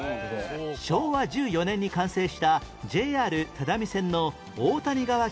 昭和１４年に完成した ＪＲ 只見線の大谷川橋梁